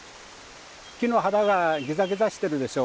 木の肌がギザギザしてるでしょ。